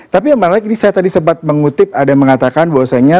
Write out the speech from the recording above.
tapi yang menarik lagi saya tadi sempat mengutip ada yang mengatakan bahwasanya